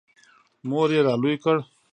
• مور یې را لوی کړ.